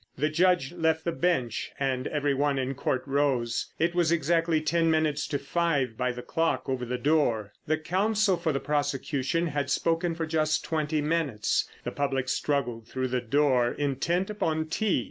The judge left the bench, and every one in Court rose. It was exactly ten minutes to five by the clock over the door. The counsel for the prosecution had spoken for just twenty minutes. The public struggled through the door, intent upon tea.